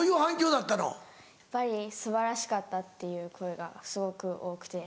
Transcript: やっぱり「素晴らしかった」っていう声がすごく多くて。